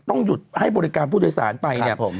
ต้องหยุดให้บริการผู้โดยสารไปเนี่ย